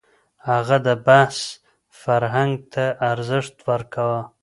هغه د بحث فرهنګ ته ارزښت ورکاوه.